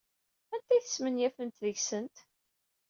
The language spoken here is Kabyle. Anta ay tesmenyafemt deg-sent?